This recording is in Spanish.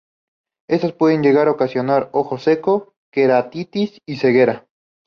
Estas pueden llegar a ocasionar ojo seco, queratitis y ceguera.